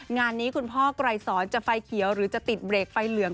งานนี้คุณพ่อไกรสอนจะไฟเขียวหรือจะติดเบรกไฟเหลือง